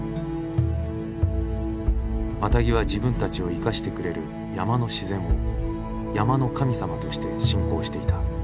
マタギは自分たちを生かしてくれる山の自然を山の神様として信仰していた。